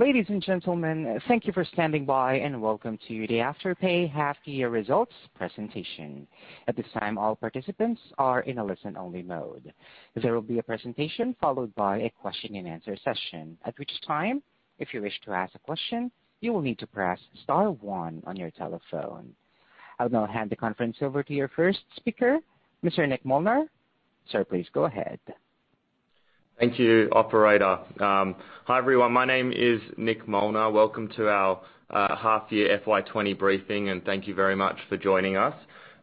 Ladies and gentlemen, thank you for standing by, and welcome to the Afterpay half year results presentation. I will now hand the conference over to your first speaker, Mr. Nick Molnar. Sir, please go ahead. Thank you, operator. Hi, everyone. My name is Nick Molnar. Welcome to our half year FY 2020 briefing, and thank you very much for joining us.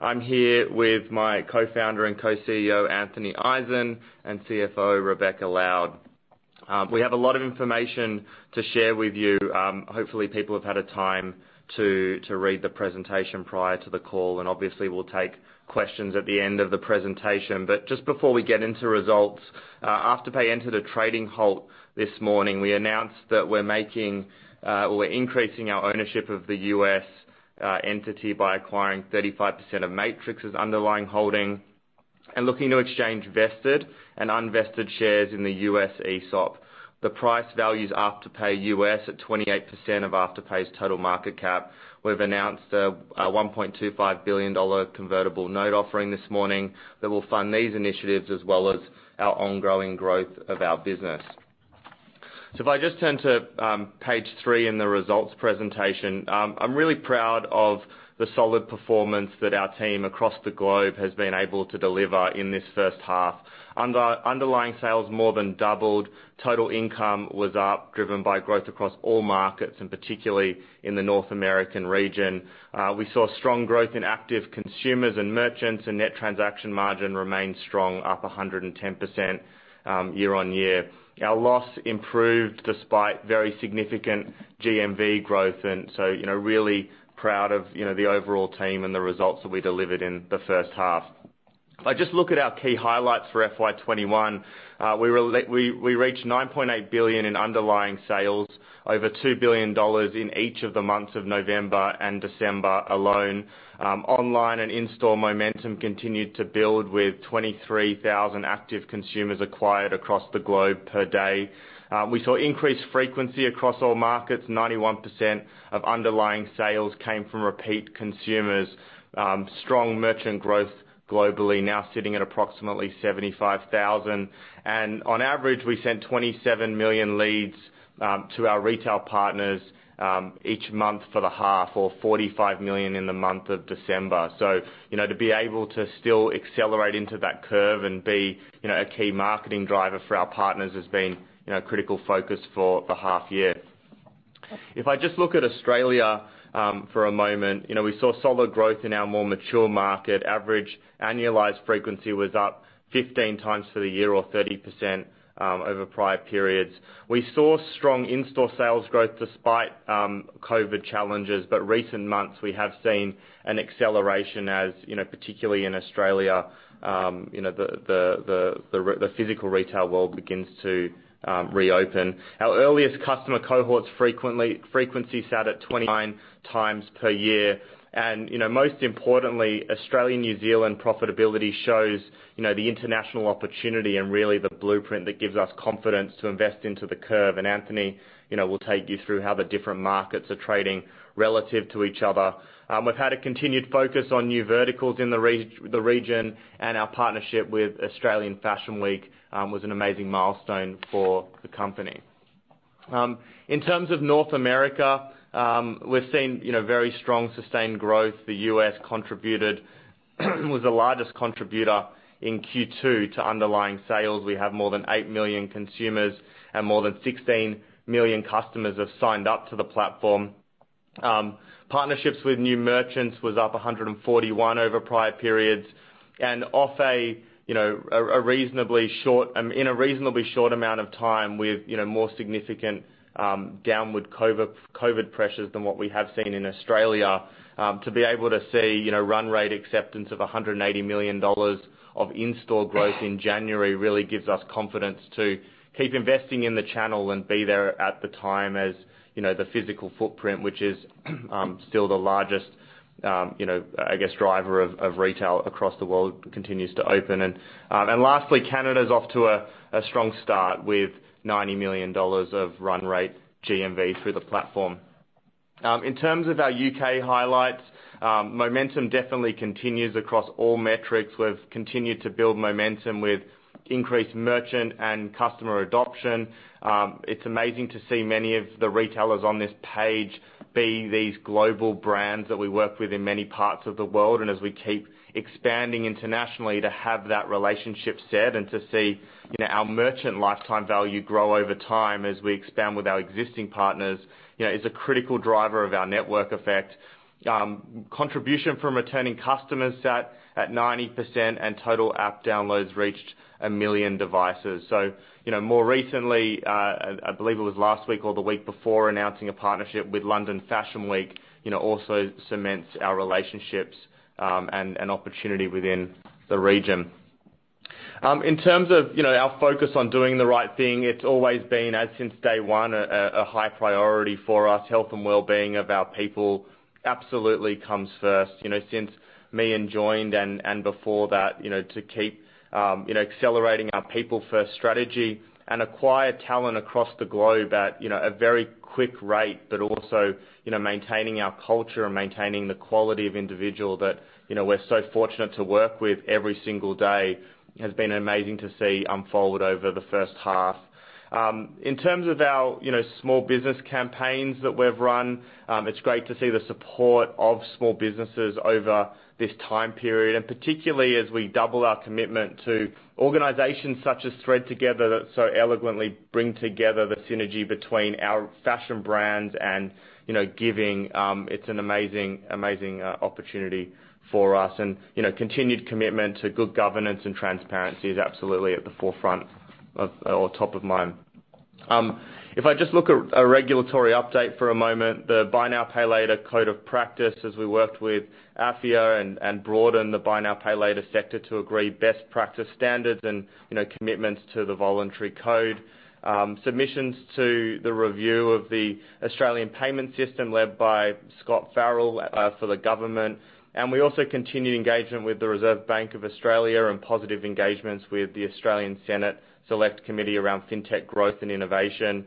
I'm here with my co-founder and co-CEO, Anthony Eisen, and CFO, Rebecca Lowde. We have a lot of information to share with you. Hopefully, people have had a time to read the presentation prior to the call, and obviously, we'll take questions at the end of the presentation. Just before we get into results, Afterpay entered a trading halt this morning. We announced that we're increasing our ownership of the US entity by acquiring 35% of Matrix's underlying holding and looking to exchange vested and unvested shares in the US ESOP. The price values Afterpay US at 28% of Afterpay's total market cap. We've announced an 1.25 billion dollar convertible note offering this morning that will fund these initiatives as well as our ongoing growth of our business. If I just turn to page three in the results presentation, I'm really proud of the solid performance that our team across the globe has been able to deliver in this first half. Underlying sales more than doubled. Total income was up, driven by growth across all markets, and particularly in the North American region. We saw strong growth in active consumers and merchants, and net transaction margin remained strong, up 110% year-on-year. Our loss improved despite very significant GMV growth. Really proud of the overall team and the results that we delivered in the first half. If I just look at our key highlights for FY 2021, we reached 9.8 billion in underlying sales, over 2 billion dollars in each of the months of November and December alone. Online and in-store momentum continued to build with 23,000 active consumers acquired across the globe per day. We saw increased frequency across all markets. 91% of underlying sales came from repeat consumers. Strong merchant growth globally, now sitting at approximately 75,000. On average, we sent 27 million leads to our retail partners each month for the half, or 45 million in the month of December. To be able to still accelerate into that curve and be a key marketing driver for our partners has been a critical focus for the half year. If I just look at Australia for a moment, we saw solid growth in our more mature market. Average annualized frequency was up 15x for the year, or 30% over prior periods. We saw strong in-store sales growth despite COVID challenges. Recent months, we have seen an acceleration as, particularly in Australia, the physical retail world begins to reopen. Our earliest customer cohorts frequency sat at 29x per year. Most importantly, Australian-New Zealand profitability shows the international opportunity and really the blueprint that gives us confidence to invest into the curve. Anthony will take you through how the different markets are trading relative to each other. We've had a continued focus on new verticals in the region. Our partnership with Australian Fashion Week was an amazing milestone for the company. In terms of North America, we've seen very strong, sustained growth. The U.S. was the largest contributor in Q2 to underlying sales. We have more than 8 million consumers and more than 16 million customers have signed up to the platform. Partnerships with new merchants was up 141% over prior periods. In a reasonably short amount of time, with more significant downward COVID pressures than what we have seen in Australia, to be able to see run rate acceptance of 180 million dollars of in-store growth in January really gives us confidence to keep investing in the channel and be there at the time as the physical footprint, which is still the largest driver of retail across the world, continues to open. Lastly, Canada's off to a strong start with 90 million dollars of run rate GMV through the platform. In terms of our U.K. highlights, momentum definitely continues across all metrics. We've continued to build momentum with increased merchant and customer adoption. It's amazing to see many of the retailers on this page be these global brands that we work with in many parts of the world, and as we keep expanding internationally, to have that relationship set and to see our merchant lifetime value grow over time as we expand with our existing partners is a critical driver of our network effect. Contribution from returning customers sat at 90%, and total app downloads reached a million devices. More recently, I believe it was last week or the week before, announcing a partnership with London Fashion Week also cements our relationships and opportunity within the region. In terms of our focus on doing the right thing, it's always been, since day one, a high priority for us. Health and wellbeing of our people absolutely comes first. Since Meaghan joined. Before that, to keep accelerating our people-first strategy and acquire talent across the globe at a very quick rate, but also maintaining our culture and maintaining the quality of individual that we're so fortunate to work with every single day has been amazing to see unfold over the first half. In terms of our small business campaigns that we've run, it's great to see the support of small businesses over this time period, and particularly as we double our commitment to organizations such as Thread Together, that so eloquently bring together the synergy between our fashion brands and giving. It's an amazing opportunity for us. Continued commitment to good governance and transparency is absolutely at the forefront or top of mind. If I just look at a regulatory update for a moment, the Buy Now Pay Later Code of Practice, as we worked with AFIA and broadened the buy now, pay later sector to agree best practice standards and commitments to the voluntary code. Submissions to the review of the Australian payments system led by Scott Farrell for the government. We also continue engagement with the Reserve Bank of Australia and positive engagements with the Australian Senate Select Committee around fintech growth and innovation.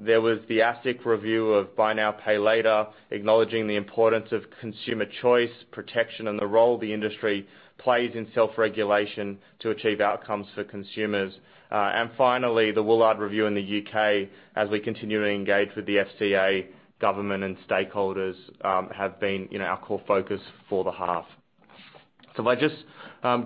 There was the ASIC review of buy now, pay later, acknowledging the importance of consumer choice, protection, and the role the industry plays in self-regulation to achieve outcomes for consumers. Finally, the Woolard Review in the U.K., as we continue to engage with the FCA, government, and stakeholders, have been our core focus for the half. If I just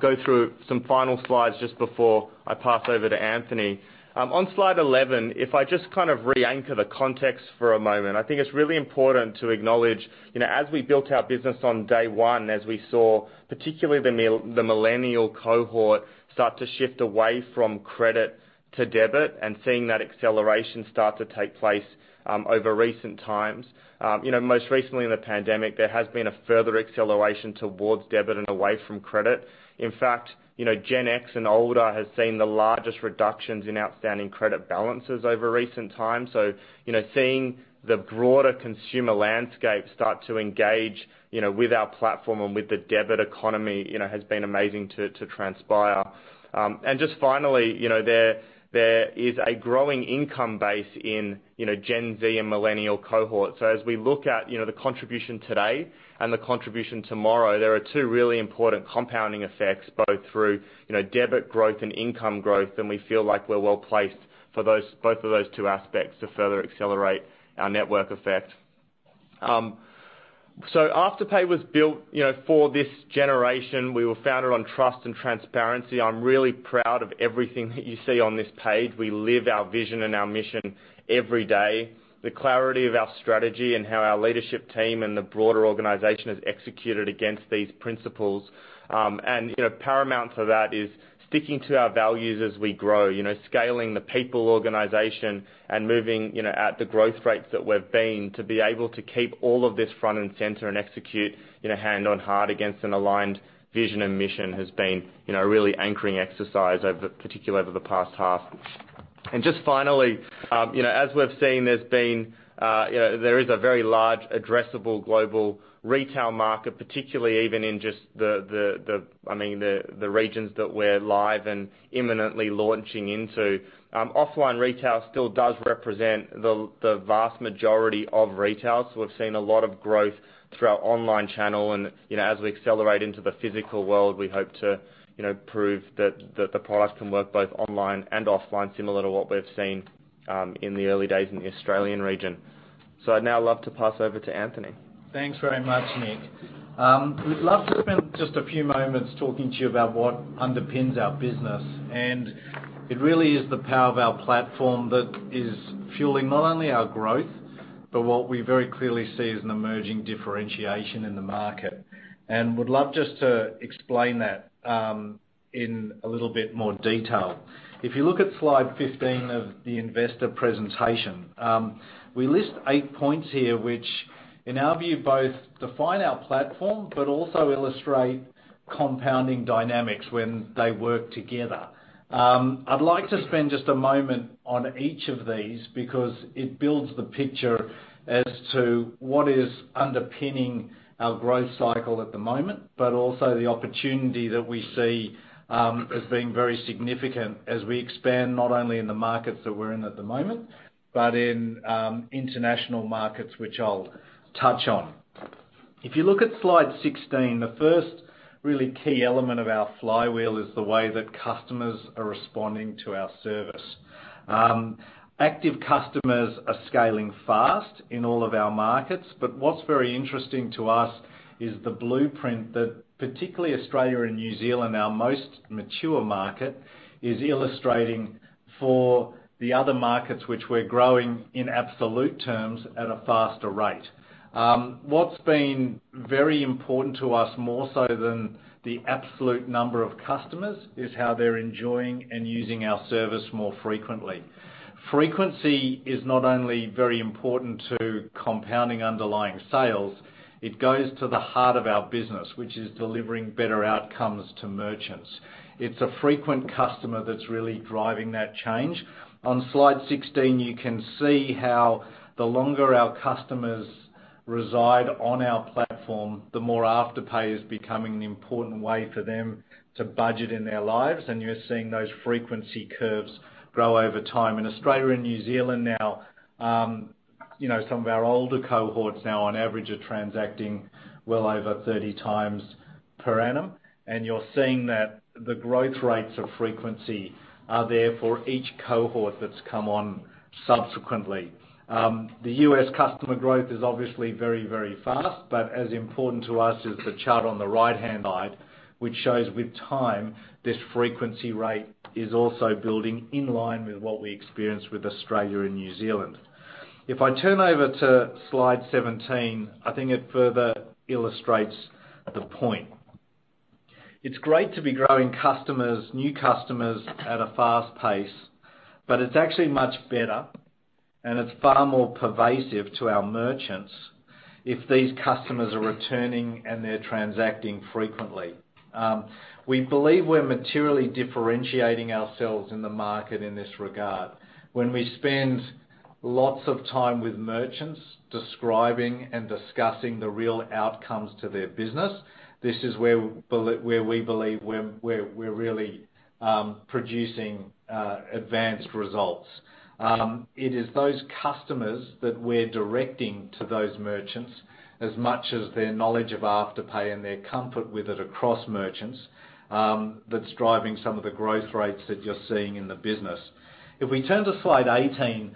go through some final slides just before I pass over to Anthony. On slide 11, if I just re-anchor the context for a moment, I think it's really important to acknowledge, as we built our business on day one, as we saw particularly the millennial cohort start to shift away from credit to debit and seeing that acceleration start to take place over recent times. Most recently in the pandemic, there has been a further acceleration towards debit and away from credit. In fact, Gen X and older has seen the largest reductions in outstanding credit balances over recent times. Seeing the broader consumer landscape start to engage with our platform and with the debit economy, has been amazing to transpire. Just finally, there is a growing income base in Gen Z and millennial cohorts. As we look at the contribution today and the contribution tomorrow, there are two really important compounding effects, both through debit growth and income growth, and we feel like we're well-placed for both of those two aspects to further accelerate our network effect. Afterpay was built for this generation. We were founded on trust and transparency. I'm really proud of everything that you see on this page. We live our vision and our mission every day. The clarity of our strategy and how our leadership team and the broader organization has executed against these principles. Paramount to that is sticking to our values as we grow. Scaling the people organization and moving at the growth rates that we've been to be able to keep all of this front and center and execute hand on heart against an aligned vision and mission has been a really anchoring exercise, particularly over the past half. Just finally, as we've seen, there is a very large addressable global retail market, particularly even in just the regions that we're live and imminently launching into. Offline retail still does represent the vast majority of retail, so we've seen a lot of growth through our online channel. As we accelerate into the physical world, we hope to prove that the product can work both online and offline, similar to what we've seen in the early days in the Australian region. I'd now love to pass over to Anthony. Thanks very much, Nick. We'd love to spend just a few moments talking to you about what underpins our business. It really is the power of our platform that is fueling not only our growth, but what we very clearly see as an emerging differentiation in the market. Would love just to explain that in a little bit more detail. If you look at slide 15 of the investor presentation, we list eight points here which, in our view, both define our platform but also illustrate compounding dynamics when they work together. I'd like to spend just a moment on each of these because it builds the picture as to what is underpinning our growth cycle at the moment, but also the opportunity that we see as being very significant as we expand, not only in the markets that we're in at the moment, but in international markets, which I'll touch on. If you look at slide 16, the first really key element of our flywheel is the way that customers are responding to our service. Active customers are scaling fast in all of our markets. What's very interesting to us is the blueprint that particularly Australia and New Zealand, our most mature market, is illustrating for the other markets which we're growing in absolute terms at a faster rate. What's been very important to us, more so than the absolute number of customers, is how they're enjoying and using our service more frequently. Frequency is not only very important to compounding underlying sales, it goes to the heart of our business, which is delivering better outcomes to merchants. It's a frequent customer that's really driving that change. On slide 16, you can see how the longer our customers reside on our platform, the more Afterpay is becoming an important way for them to budget in their lives, and you're seeing those frequency curves grow over time. In Australia and New Zealand now, some of our older cohorts now on average are transacting well over 30x per annum. You're seeing that the growth rates of frequency are there for each cohort that's come on subsequently. The U.S. customer growth is obviously very fast. As important to us is the chart on the right-hand side, which shows with time, this frequency rate is also building in line with what we experience with Australia and New Zealand. If I turn over to slide 17, I think it further illustrates the point. It's great to be growing new customers at a fast pace, but it's actually much better and it's far more pervasive to our merchants if these customers are returning and they're transacting frequently. We believe we're materially differentiating ourselves in the market in this regard. When we spend lots of time with merchants describing and discussing the real outcomes to their business, this is where we believe we're really producing advanced results. It is those customers that we're directing to those merchants as much as their knowledge of Afterpay and their comfort with it across merchants, that's driving some of the growth rates that you're seeing in the business. If we turn to slide 18,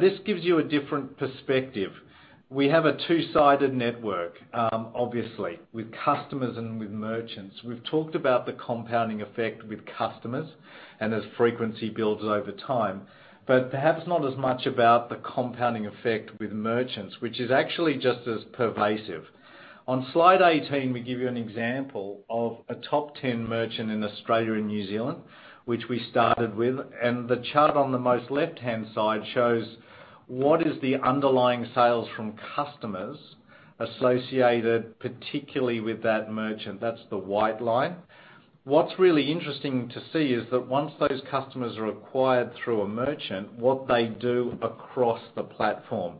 this gives you a different perspective. We have a two-sided network, obviously, with customers and with merchants. We've talked about the compounding effect with customers and as frequency builds over time. Perhaps not as much about the compounding effect with merchants, which is actually just as pervasive. On slide 18, we give you an example of a top 10 merchant in Australia and New Zealand, which we started with. The chart on the most left-hand side shows what is the underlying sales from customers associated particularly with that merchant. That's the white line. What's really interesting to see is that once those customers are acquired through a merchant, what they do across the platform.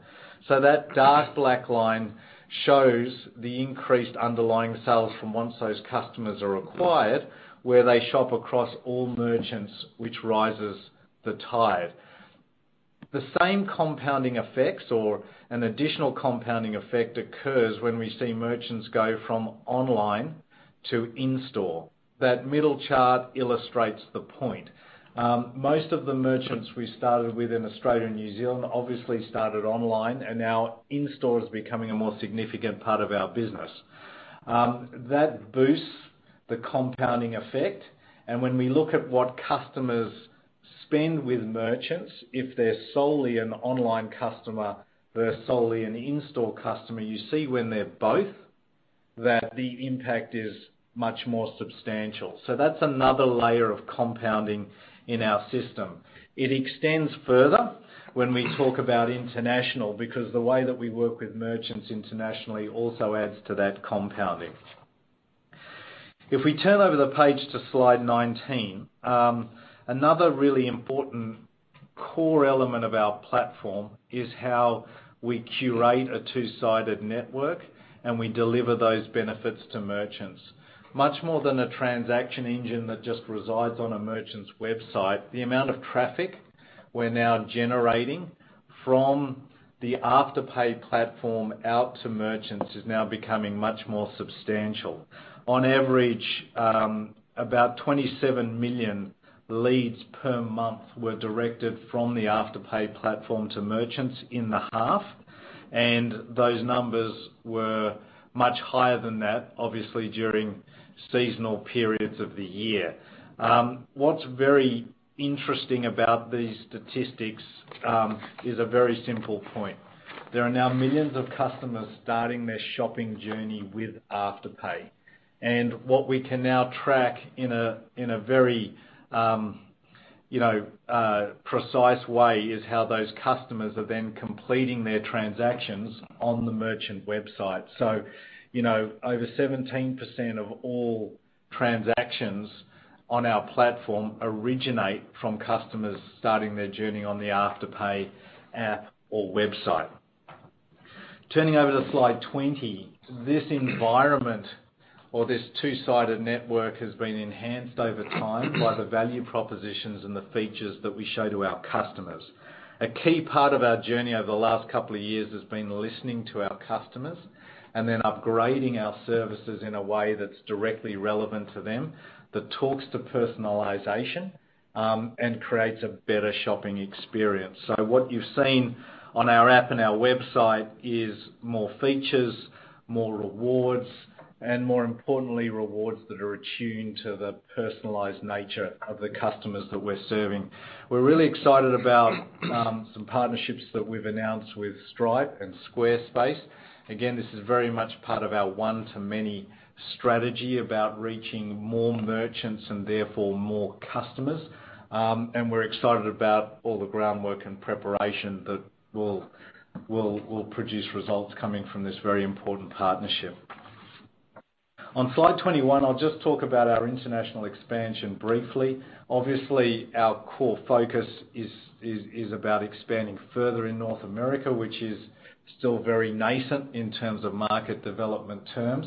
That dark black line shows the increased underlying sales from once those customers are acquired, where they shop across all merchants, which rises the tide. The same compounding effects or an additional compounding effect occurs when we see merchants go from online to in-store. That middle chart illustrates the point. Most of the merchants we started with in Australia and New Zealand obviously started online, and now in-store is becoming a more significant part of our business. That boosts the compounding effect. When we look at what customers spend with merchants, if they're solely an online customer versus solely an in-store customer, you see when they're both, that the impact is much more substantial. That's another layer of compounding in our system. It extends further when we talk about international because the way that we work with merchants internationally also adds to that compounding. If we turn over the page to slide 19, another really important core element of our platform is how we curate a two-sided network and we deliver those benefits to merchants. Much more than a transaction engine that just resides on a merchant's website, the amount of traffic we're now generating from the Afterpay platform out to merchants is now becoming much more substantial. On average, about 27 million leads per month were directed from the Afterpay platform to merchants in the half, and those numbers were much higher than that, obviously, during seasonal periods of the year. What's very interesting about these statistics is a very simple point. There are now millions of customers starting their shopping journey with Afterpay. What we can now track in a very precise way is how those customers are then completing their transactions on the merchant website. Over 17% of all transactions on our platform originate from customers starting their journey on the Afterpay app or website. Turning over to slide 20, this environment or this two-sided network has been enhanced over time by the value propositions and the features that we show to our customers. A key part of our journey over the last couple of years has been listening to our customers and then upgrading our services in a way that's directly relevant to them, that talks to personalization, and creates a better shopping experience. What you've seen on our app and our website is more features, more rewards, and more importantly, rewards that are attuned to the personalized nature of the customers that we're serving. We're really excited about some partnerships that we've announced with Stripe and Squarespace. This is very much part of our one to many strategy about reaching more merchants and therefore more customers. We're excited about all the groundwork and preparation that will produce results coming from this very important partnership. On slide 21, I'll just talk about our international expansion briefly. Obviously, our core focus is about expanding further in North America, which is still very nascent in terms of market development terms.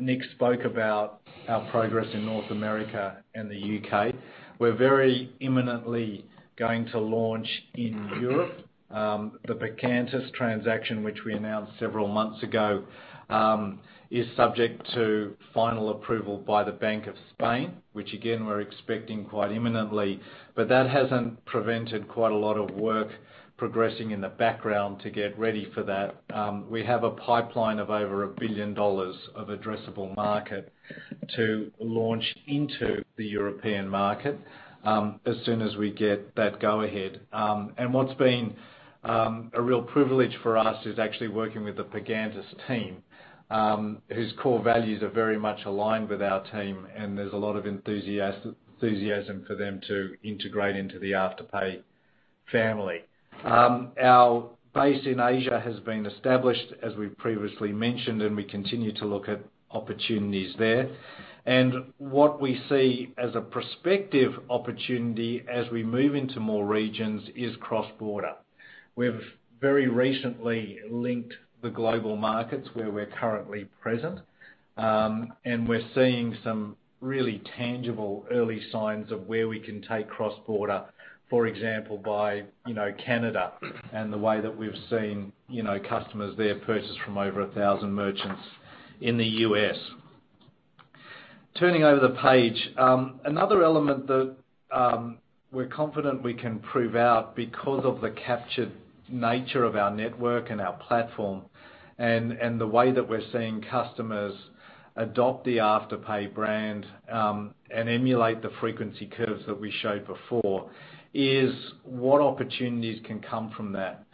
Nick spoke about our progress in North America and the U.K. We're very imminently going to launch in Europe. The Pagantis transaction, which we announced several months ago, is subject to final approval by the Bank of Spain, which again, we're expecting quite imminently. That hasn't prevented quite a lot of work progressing in the background to get ready for that. We have a pipeline of over 1 billion dollars of addressable market to launch into the European market, as soon as we get that go ahead. What's been a real privilege for us is actually working with the Pagantis team, whose core values are very much aligned with our team, and there's a lot of enthusiasm for them to integrate into the Afterpay family. Our base in Asia has been established, as we previously mentioned, and we continue to look at opportunities there. What we see as a prospective opportunity as we move into more regions is cross-border. We've very recently linked the global markets where we're currently present, and we're seeing some really tangible early signs of where we can take cross-border, for example, by Canada and the way that we've seen customers there purchase from over 1,000 merchants in the U.S. Turning over the page. Another element that we're confident we can prove out because of the captured nature of our network and our platform and the way that we're seeing customers adopt the Afterpay brand, and emulate the frequency curves that we showed before, is what opportunities can come from that.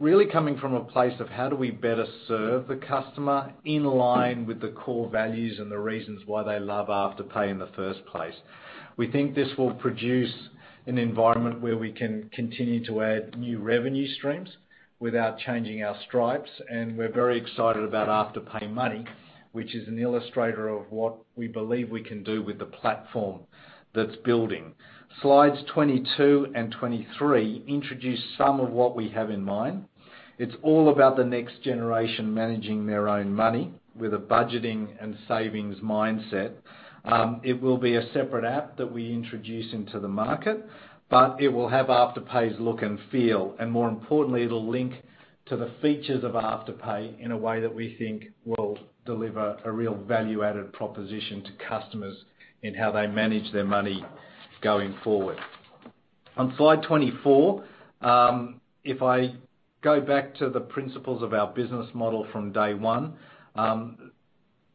Really coming from a place of how do we better serve the customer in line with the core values and the reasons why they love Afterpay in the first place. We think this will produce an environment where we can continue to add new revenue streams without changing our stripes, and we're very excited about Afterpay Money, which is an illustrator of what we believe we can do with the platform that's building. Slides 22 and 23 introduce some of what we have in mind. It's all about the next generation managing their own money with a budgeting and savings mindset. It will be a separate app that we introduce into the market, but it will have Afterpay's look and feel. More importantly, it'll link to the features of Afterpay in a way that we think will deliver a real value-added proposition to customers in how they manage their money going forward. On slide 24, if I go back to the principles of our business model from day one,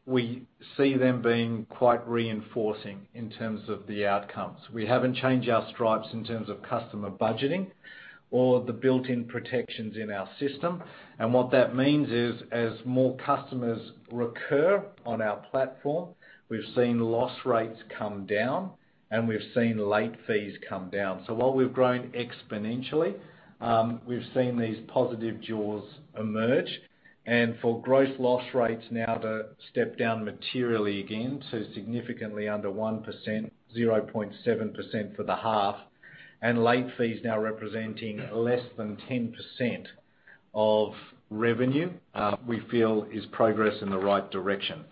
we see them being quite reinforcing in terms of the outcomes. We haven't changed our stripes in terms of customer budgeting or the built-in protections in our system. What that means is as more customers recur on our platform, we've seen loss rates come down, and we've seen late fees come down. While we've grown exponentially, we've seen these positive jaws emerge. For gross loss rates now to step down materially again to significantly under one percent, 0.7% for the half, and late fees now representing less than 10% of revenue, we feel is progress in the right direction.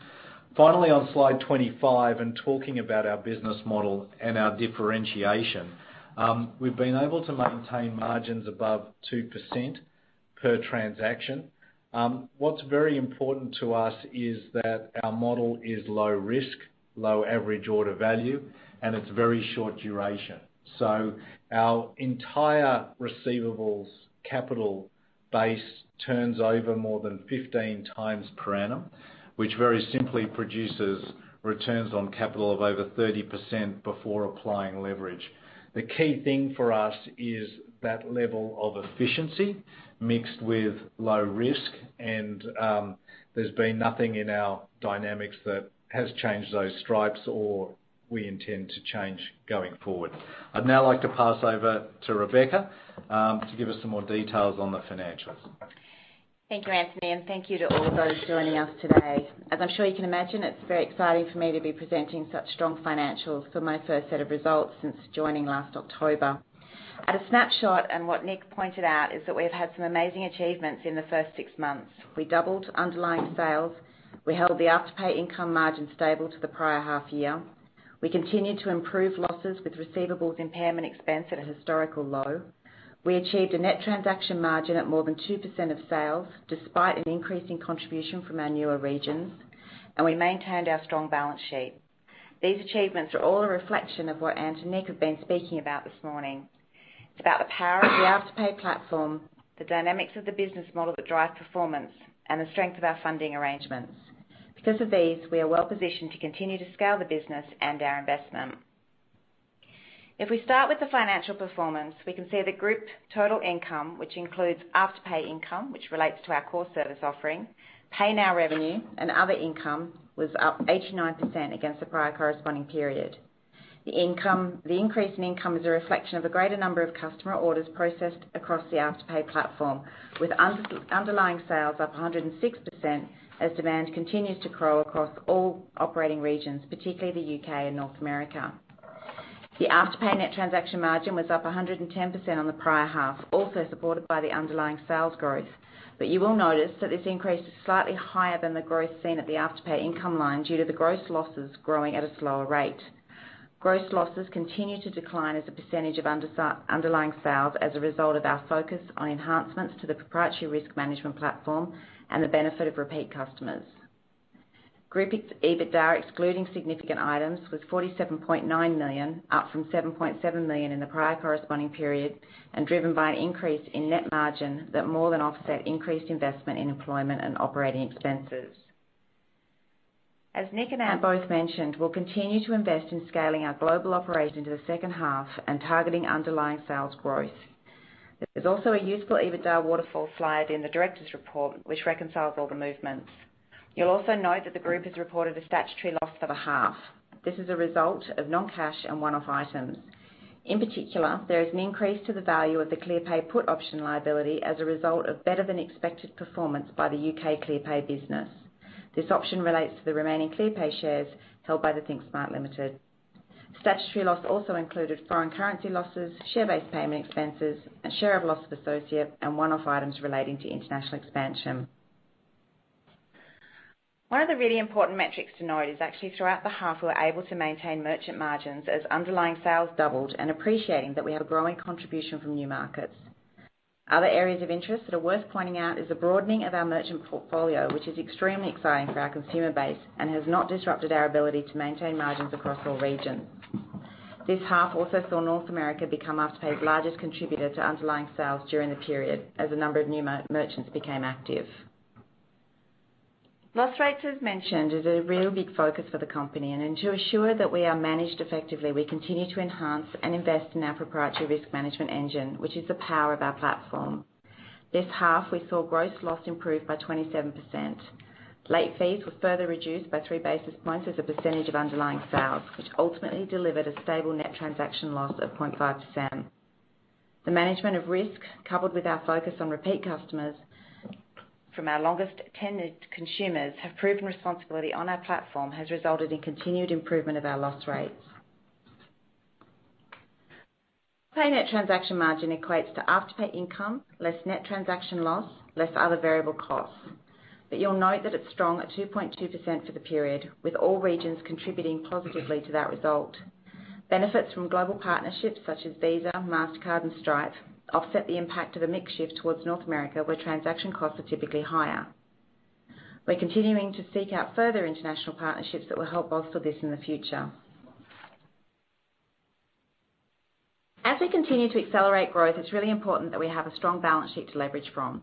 Finally, on slide 25, talking about our business model and our differentiation. We've been able to maintain margins above two percent per transaction. What's very important to us is that our model is low risk, low average order value, and it's very short duration. Our entire receivables capital base turns over more than 15 times per annum, which very simply produces returns on capital of over 30% before applying leverage. The key thing for us is that level of efficiency mixed with low risk, there's been nothing in our dynamics that has changed those stripes or we intend to change going forward. I'd now like to pass over to Rebecca, to give us some more details on the financials. Thank you, Anthony, and thank you to all of those joining us today. As I'm sure you can imagine, it's very exciting for me to be presenting such strong financials for my first set of results since joining last October. At a snapshot, and what Nick pointed out, is that we've had some amazing achievements in the first six months. We doubled underlying sales. We held the Afterpay income margin stable to the prior half year. We continued to improve losses with receivables impairment expense at a historical low. We achieved a net transaction margin at more than two percent of sales, despite an increase in contribution from our newer regions, and we maintained our strong balance sheet. These achievements are all a reflection of what Anthony have been speaking about this morning. It's about the power of the Afterpay platform, the dynamics of the business model that drive performance, and the strength of our funding arrangements. Because of these, we are well-positioned to continue to scale the business and our investment. If we start with the financial performance, we can see the group total income, which includes Afterpay income, which relates to our core service offering. Pay now revenue and other income was up 89% against the prior corresponding period. The increase in income is a reflection of a greater number of customer orders processed across the Afterpay platform, with underlying sales up 106% as demand continues to grow across all operating regions, particularly the U.K. and North America. The Afterpay net transaction margin was up 110% on the prior half, also supported by the underlying sales growth. You will notice that this increase is slightly higher than the growth seen at the Afterpay income line, due to the gross losses growing at a slower rate. Gross losses continue to decline as a % of underlying sales as a result of our focus on enhancements to the proprietary risk management platform and the benefit of repeat customers. Group EBITDAR, excluding significant items, was 47.9 million, up from 7.7 million in the prior corresponding period, and driven by an increase in net margin that more than offset increased investment in employment and operating expenses. As Nick and Ant both mentioned, we'll continue to invest in scaling our global operations in the second half and targeting underlying sales growth. There's also a useful EBITDAR waterfall slide in the director's report, which reconciles all the movements. You'll also note that the group has reported a statutory loss for the half. This is a result of non-cash and one-off items. In particular, there is an increase to the value of the Clearpay put option liability as a result of better than expected performance by the U.K. Clearpay business. This option relates to the remaining Clearpay shares held by the ThinkSmart Limited. Statutory loss also included foreign currency losses, share-based payment expenses, and share of loss of associate, and one-off items relating to international expansion. One of the really important metrics to note is actually throughout the half, we were able to maintain merchant margins as underlying sales doubled and appreciating that we have a growing contribution from new markets. Other areas of interest that are worth pointing out is the broadening of our merchant portfolio, which is extremely exciting for our consumer base and has not disrupted our ability to maintain margins across all regions. This half also saw North America become Afterpay's largest contributor to underlying sales during the period, as a number of new merchants became active. Loss rates, as mentioned, is a real big focus for the company, and to assure that we are managed effectively, we continue to enhance and invest in our proprietary risk management engine, which is the power of our platform. This half, we saw gross loss improve by 27%. Late fees were further reduced by three basis points as a percentage of underlying sales, which ultimately delivered a stable net transaction loss of 0.5%. The management of risk, coupled with our focus on repeat customers from our longest tenured consumers have proven responsibility on our platform, has resulted in continued improvement of our loss rates. Pay net transaction margin equates to Afterpay income, less net transaction loss, less other variable costs. You'll note that it's strong at 2.2% for the period, with all regions contributing positively to that result. Benefits from global partnerships such as Visa, Mastercard, and Stripe offset the impact of a mix shift towards North America, where transaction costs are typically higher. We're continuing to seek out further international partnerships that will help bolster this in the future. As we continue to accelerate growth, it's really important that we have a strong balance sheet to leverage from.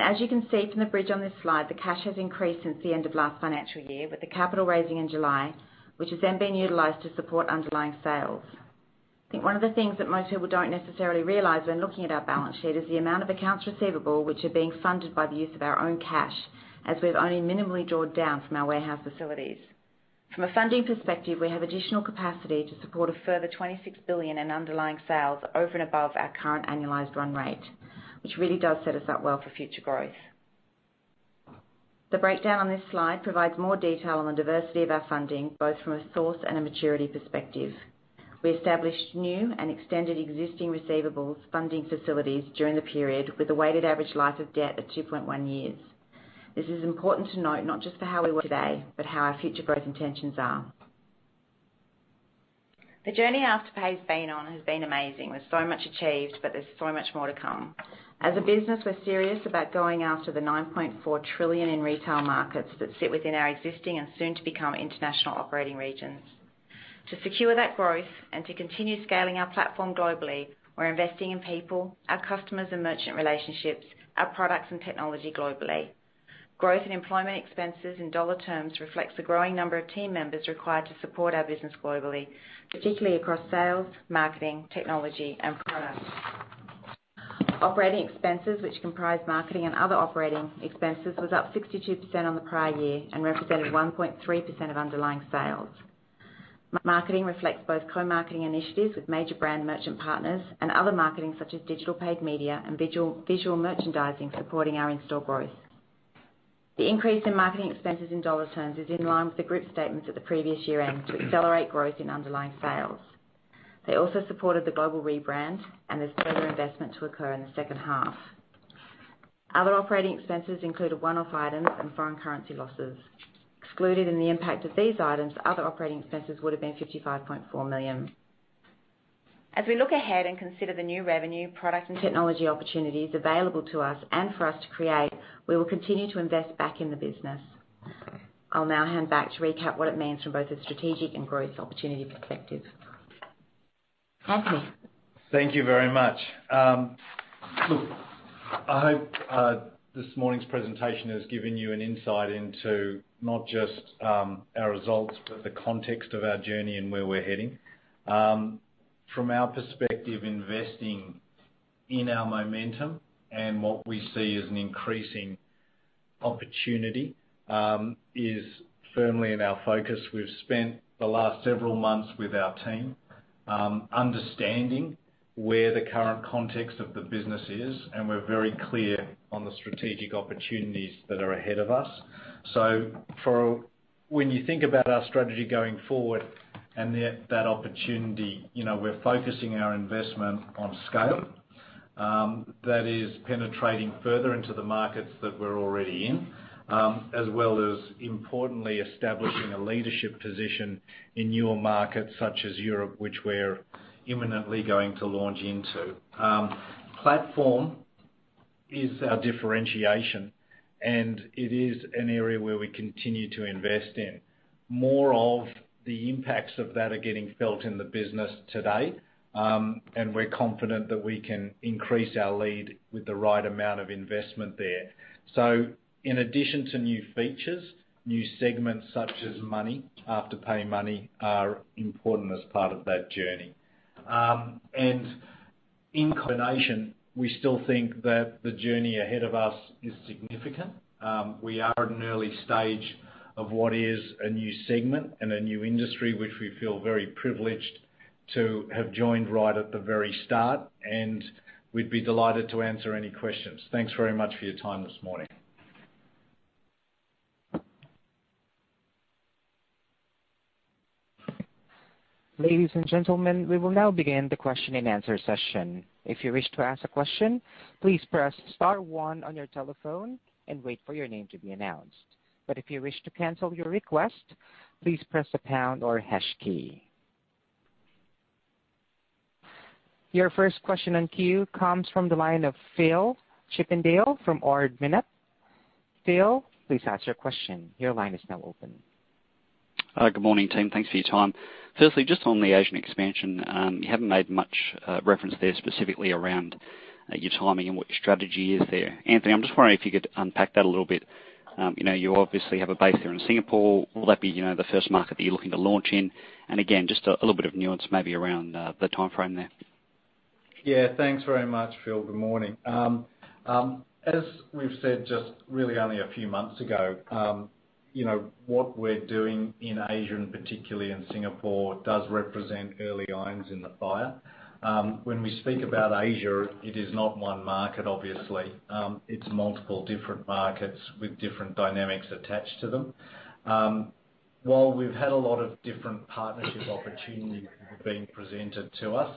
As you can see from the bridge on this slide, the cash has increased since the end of last financial year with the capital raising in July, which has then been utilized to support underlying sales. I think one of the things that most people don't necessarily realize when looking at our balance sheet is the amount of accounts receivable, which are being funded by the use of our own cash, as we've only minimally drawn down from our warehouse facilities. From a funding perspective, we have additional capacity to support a further 26 billion in underlying sales over and above our current annualized run rate, which really does set us up well for future growth. The breakdown on this slide provides more detail on the diversity of our funding, both from a source and a maturity perspective. We established new and extended existing receivables funding facilities during the period, with a weighted average life of debt of 2.1 years. This is important to note not just for how we were today, but how our future growth intentions are. The journey Afterpay's been on has been amazing. There's so much achieved, but there's so much more to come. As a business, we're serious about going after the 9.4 trillion in retail markets that sit within our existing and soon to become international operating regions. To secure that growth and to continue scaling our platform globally, we're investing in people, our customers and merchant relationships, our products and technology globally. Growth in employment expenses in AUD terms reflects the growing number of team members required to support our business globally, particularly across sales, marketing, technology, and product. Operating expenses, which comprise marketing and other operating expenses, was up 62% on the prior year and represented 1.3% of underlying sales. Marketing reflects both co-marketing initiatives with major brand merchant partners and other marketing, such as digital paid media and visual merchandising supporting our in-store growth. The increase in marketing expenses in AUD terms is in line with the group's statements at the previous year-end to accelerate growth in underlying sales. They also supported the global rebrand, there's further investment to occur in the second half. Other operating expenses include a one-off item and foreign currency losses. Excluded in the impact of these items, other operating expenses would've been 55.4 million. As we look ahead and consider the new revenue, product, and technology opportunities available to us and for us to create, we will continue to invest back in the business. I'll now hand back to recap what it means from both a strategic and growth opportunity perspective. Thank you. Thank you very much. I hope this morning's presentation has given you an insight into not just our results, but the context of our journey and where we're heading. From our perspective, investing in our momentum and what we see as an increasing opportunity is firmly in our focus. We've spent the last several months with our team understanding where the current context of the business is, and we're very clear on the strategic opportunities that are ahead of us. When you think about our strategy going forward and that opportunity, we're focusing our investment on scale. That is penetrating further into the markets that we're already in, as well as importantly, establishing a leadership position in newer markets such as Europe, which we're imminently going to launch into. Platform is our differentiation, and it is an area where we continue to invest in. More of the impacts of that are getting felt in the business to date. We're confident that we can increase our lead with the right amount of investment there. In addition to new features, new segments such as Money, Afterpay Money, are important as part of that journey. In combination, we still think that the journey ahead of us is significant. We are at an early stage of what is a new segment and a new industry, which we feel very privileged to have joined right at the very start, and we'd be delighted to answer any questions. Thanks very much for your time this morning. Ladies and gentlemen, we will now begin the question and answer session. Your first question in queue comes from the line of Phil Chippindall from Ord Minnett. Phil, please ask your question. Your line is now open. Good morning, team. Thanks for your time. Just on the Asian expansion. You haven't made much reference there specifically around your timing and what your strategy is there. Anthony, I'm just wondering if you could unpack that a little bit. You obviously have a base there in Singapore. Will that be the first market that you're looking to launch in? Again, just a little bit of nuance maybe around the timeframe there. Yeah. Thanks very much, Phil. Good morning. As we've said, just really only a few months ago, what we're doing in Asia, and particularly in Singapore, does represent early irons in the fire. When we speak about Asia, it is not one market, obviously. It's multiple different markets with different dynamics attached to them. While we've had a lot of different partnership opportunities that have been presented to us,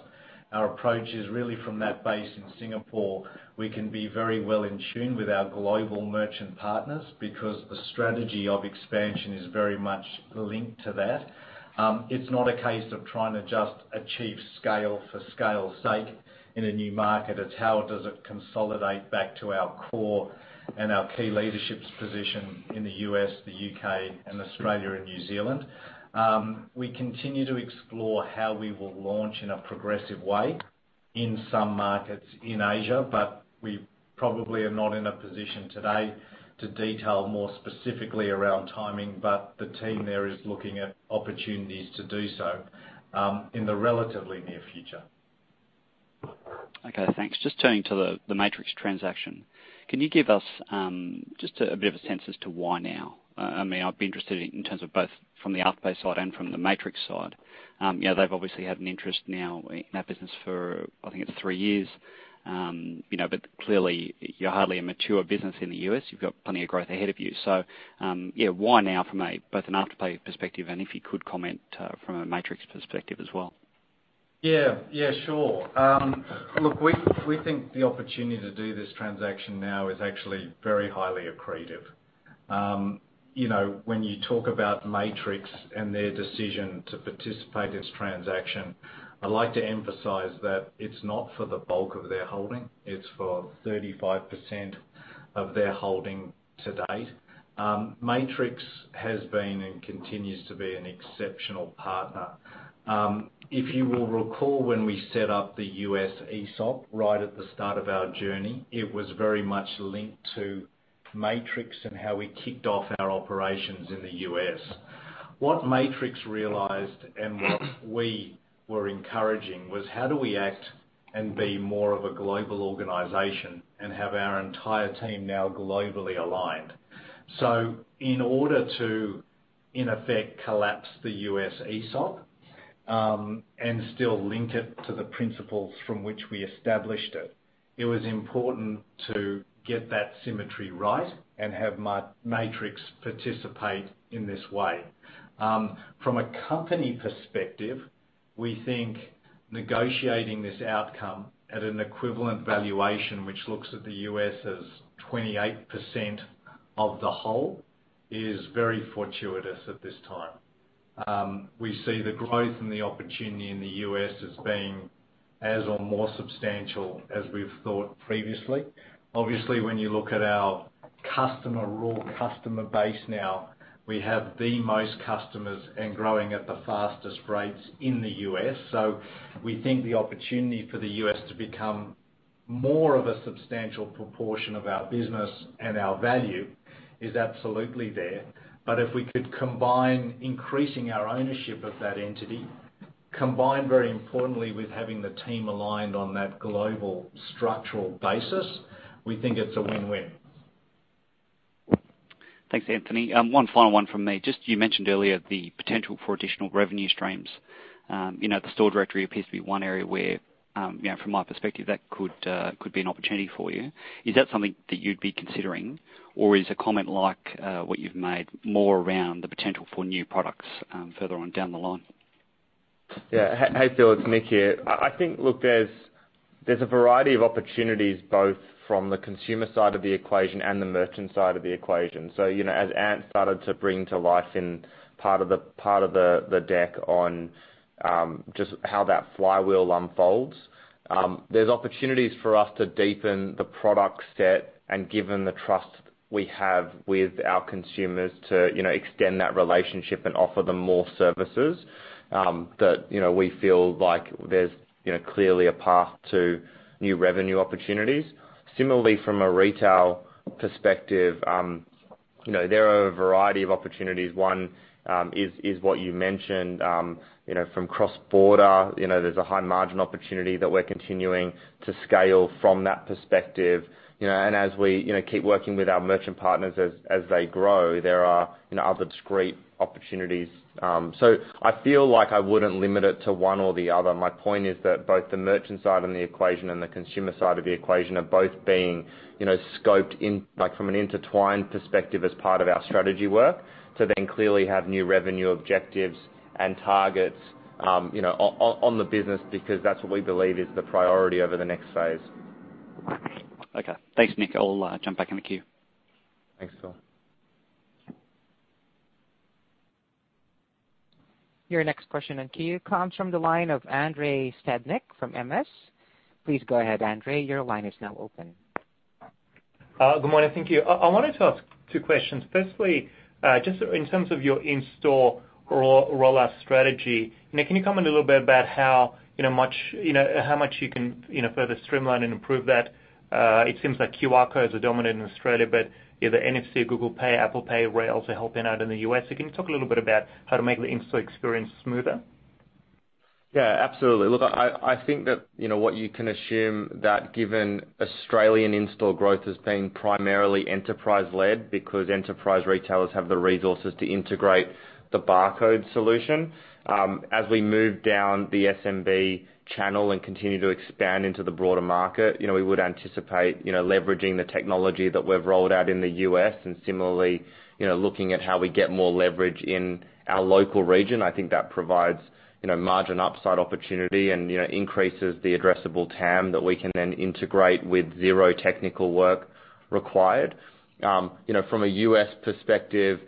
our approach is really from that base in Singapore. We can be very well in tune with our global merchant partners because the strategy of expansion is very much linked to that. It's not a case of trying to just achieve scale for scale's sake in a new market. It's how does it consolidate back to our core and our key leadership's position in the U.S., the U.K., and Australia and New Zealand. We continue to explore how we will launch in a progressive way in some markets in Asia, but we probably are not in a position today to detail more specifically around timing. The team there is looking at opportunities to do so in the relatively near future. Okay, thanks. Just turning to the Matrix transaction. Can you give us just a bit of a sense as to why now? I'd be interested in terms of both from the Afterpay side and from the Matrix side. They've obviously had an interest now in that business for, I think it's three years. Clearly, you're hardly a mature business in the U.S. You've got plenty of growth ahead of you. Why now from both an Afterpay perspective and if you could comment from a Matrix perspective as well? Yeah. Sure. Look, we think the opportunity to do this transaction now is actually very highly accretive. When you talk about Matrix and their decision to participate in this transaction, I'd like to emphasize that it's not for the bulk of their holding. It's for 35% of their holding to date. Matrix has been, and continues to be, an exceptional partner. If you will recall, when we set up the U.S. ESOP right at the start of our journey, it was very much linked to Matrix and how we kicked off our operations in the U.S. What Matrix realized, and what we were encouraging, was how do we act and be more of a global organization and have our entire team now globally aligned? In order to, in effect, collapse the U.S. ESOP, and still link it to the principles from which we established it was important to get that symmetry right and have Matrix participate in this way. From a company perspective, we think negotiating this outcome at an equivalent valuation, which looks at the U.S. as 28% of the whole, is very fortuitous at this time. We see the growth and the opportunity in the U.S. as being as or more substantial as we've thought previously. Obviously, when you look at our raw customer base now, we have the most customers and growing at the fastest rates in the U.S. We think the opportunity for the U.S. to become more of a substantial proportion of our business and our value is absolutely there. If we could combine increasing our ownership of that entity, combined very importantly with having the team aligned on that global structural basis, we think it's a win-win. Thanks, Anthony. One final one from me. You mentioned earlier the potential for additional revenue streams. The store directory appears to be one area where, from my perspective, that could be an opportunity for you. Is that something that you'd be considering? Is a comment like what you've made more around the potential for new products further on down the line? Hey, Phil, it's Nick here. There's a variety of opportunities, both from the consumer side of the equation and the merchant side of the equation. As Ant started to bring to life in part of the deck on just how that flywheel unfolds. There's opportunities for us to deepen the product set and given the trust we have with our consumers to extend that relationship and offer them more services. We feel like there's clearly a path to new revenue opportunities. Similarly, from a retail perspective, there are a variety of opportunities. One is what you mentioned, from cross-border. There's a high-margin opportunity that we're continuing to scale from that perspective. As we keep working with our merchant partners as they grow, there are other discrete opportunities. I feel like I wouldn't limit it to one or the other. My point is that both the merchant side and the equation and the consumer side of the equation are both being scoped in from an intertwined perspective as part of our strategy work to then clearly have new revenue objectives and targets on the business, because that's what we believe is the priority over the next phase. Okay. Thanks, Nick. I'll jump back in the queue. Thanks, Phil. Your next question in queue comes from the line of Andrei Stadnik from MS. Please go ahead, Andrei. Your line is now open. Good morning. Thank you. I wanted to ask two questions. Firstly, just in terms of your in-store rollout strategy. Nick, can you comment a little bit about how much you can further streamline and improve that? It seems like QR codes are dominant in Australia, but the NFC, Google Pay, Apple Pay are also helping out in the U.S. Can you talk a little bit about how to make the in-store experience smoother? Yeah, absolutely. Look, I think that what you can assume that given Australian in-store growth has been primarily enterprise-led because enterprise retailers have the resources to integrate the barcode solution. As we move down the SMB channel and continue to expand into the broader market, we would anticipate leveraging the technology that we've rolled out in the U.S., and similarly, looking at how we get more leverage in our local region. I think that provides margin upside opportunity and increases the addressable TAM that we can then integrate with zero technical work required. From a U.S. perspective,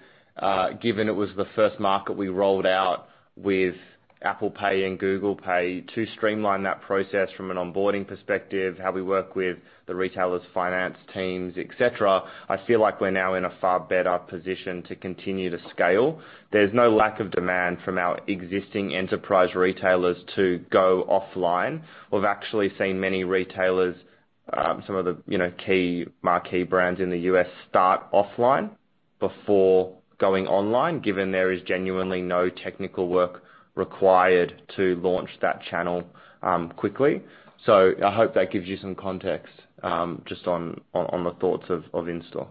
given it was the first market we rolled out with Apple Pay and Google Pay to streamline that process from an onboarding perspective, how we work with the retailers, finance teams, et cetera. I feel like we're now in a far better position to continue to scale. There's no lack of demand from our existing enterprise retailers to go offline. We've actually seen many retailers, some of the key marquee brands in the U.S. start offline before going online, given there is genuinely no technical work required to launch that channel quickly. I hope that gives you some context, just on the thoughts of in-store.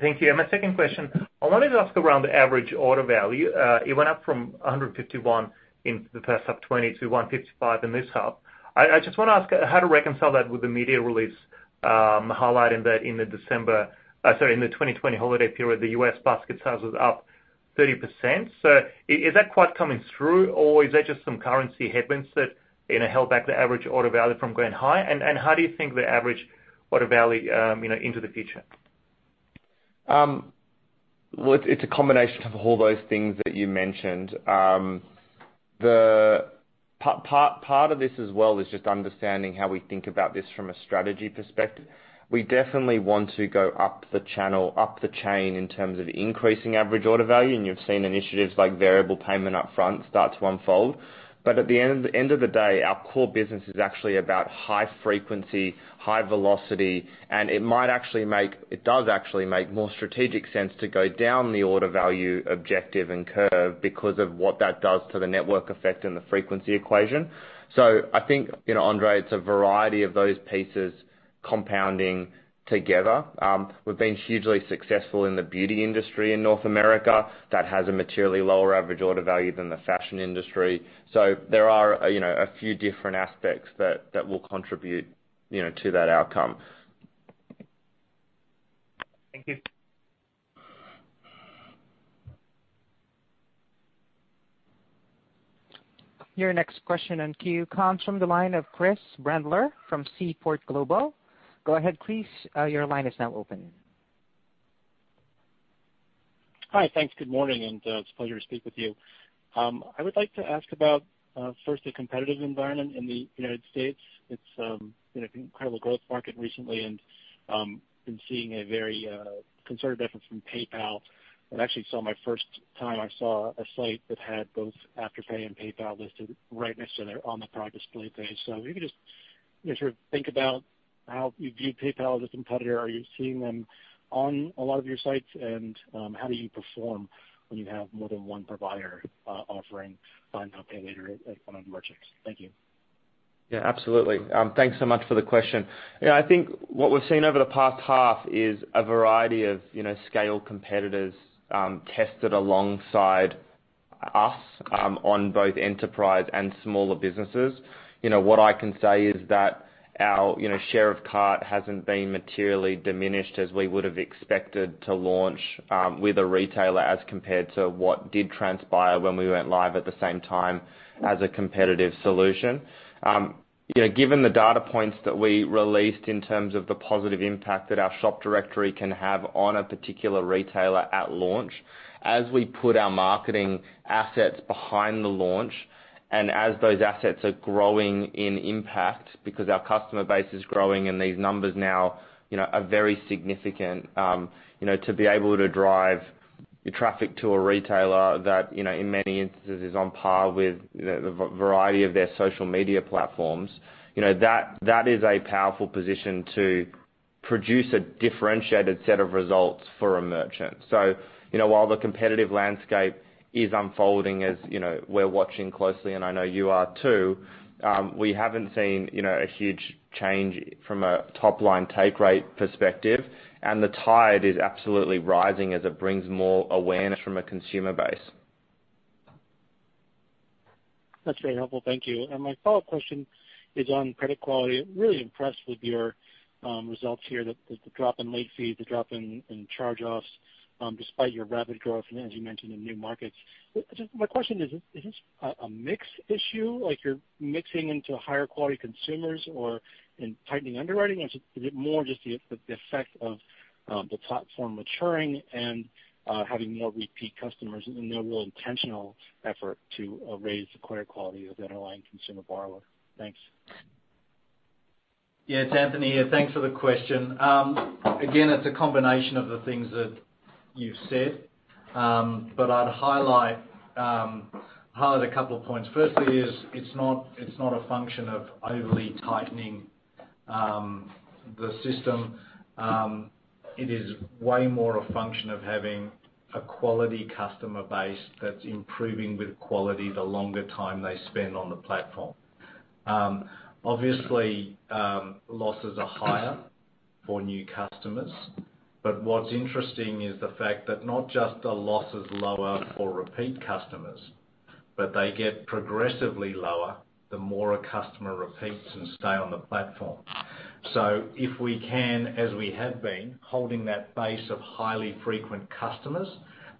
Thank you. My second question. I wanted to ask around the average order value. It went up from 151 in the first half 2020 to 155 in this half. I just want to ask how to reconcile that with the media release highlighting that in the 2020 holiday period, the U.S. basket size was up 30%. Is that quite coming through or is that just some currency headwinds that held back the average order value from going high? How do you think the average order value into the future? Well, it's a combination of all those things that you mentioned. Part of this as well is just understanding how we think about this from a strategy perspective. We definitely want to go up the channel, up the chain in terms of increasing average order value, and you've seen initiatives like Variable Payment Upfront start to unfold. At the end of the day, our core business is actually about high frequency, high velocity, and it does actually make more strategic sense to go down the order value objective and curve because of what that does to the network effect and the frequency equation. I think, Andrei, it's a variety of those pieces compounding together. We've been hugely successful in the beauty industry in North America. That has a materially lower average order value than the fashion industry. There are a few different aspects that will contribute to that outcome. Thank you. Your next question in queue comes from the line of Chris Brendler from Seaport Global. Go ahead, Chris. Your line is now open. Hi. Thanks. Good morning, and it's a pleasure to speak with you. I would like to ask about, first, the competitive environment in the U.S. It's been an incredible growth market recently, been seeing a very concerted effort from PayPal. I actually saw my first time I saw a site that had both Afterpay and PayPal listed right next to their on the product display page. Maybe just you sort of think about how you view PayPal as a competitor. Are you seeing them on a lot of your sites? How do you perform when you have more than one provider offering buy now, pay later at one of your checks? Thank you. Yeah, absolutely. Thanks so much for the question. I think what we've seen over the past half is a variety of scale competitors tested alongside us, on both enterprise and smaller businesses. What I can say is that our share of cart hasn't been materially diminished as we would've expected to launch, with a retailer as compared to what did transpire when we went live at the same time as a competitive solution. Given the data points that we released in terms of the positive impact that our shop directory can have on a particular retailer at launch, as we put our marketing assets behind the launch, and as those assets are growing in impact because our customer base is growing, and these numbers now are very significant. To be able to drive traffic to a retailer that, in many instances, is on par with the variety of their social media platforms, that is a powerful position to produce a differentiated set of results for a merchant. While the competitive landscape is unfolding as we're watching closely, and I know you are too, we haven't seen a huge change from a top-line take rate perspective, and the tide is absolutely rising as it brings more awareness from a consumer base. That's very helpful. Thank you. My follow-up question is on credit quality. Really impressed with your results here, the drop in late fees, the drop in charge-offs, despite your rapid growth, and as you mentioned, in new markets. My question is this a mix issue? Like you're mixing into higher quality consumers or in tightening underwriting? Is it more just the effect of the platform maturing and having more repeat customers and no real intentional effort to raise the credit quality of the underlying consumer borrower? Thanks. Yeah, it's Anthony here. Thanks for the question. Again, it's a combination of the things that you've said. I'd highlight a couple of points. Firstly, it's not a function of overly tightening the system. It is way more a function of having a quality customer base that's improving with quality the longer time they spend on the platform. Obviously, losses are higher for new customers. What's interesting is the fact that not just are losses lower for repeat customers, but they get progressively lower the more a customer repeats and stay on the platform. If we can, as we have been, holding that base of highly frequent customers,